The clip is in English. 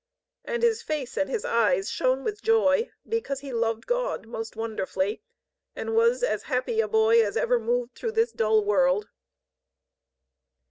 And his face and his eyes shone with joy, because he loved God most wonderfully and was as happy a boy as ever moved through this dull world.